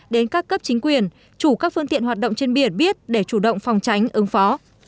đến các cấp chính quyền chủ các phương tiện hoạt động trên biển biết để chủ động phòng tránh ứng phó